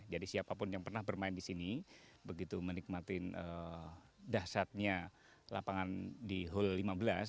jadi siapapun yang pernah bermain di sini begitu menikmatin dasarnya lapangan di hole ke lima belas